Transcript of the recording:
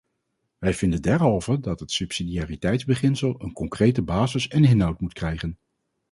Wij vinden derhalve dat het subsidiariteitsbeginsel een concrete basis en inhoud moet krijgen.